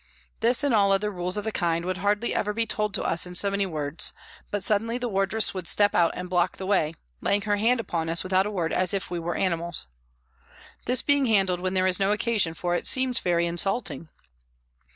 This and all other rules of the kind would hardly ever be told to us in so many words, but suddenly the wardress would step out and block the way, laying her hand upon us without a word as if we were animals. This being handled when there is no occasion for it seems very insulting.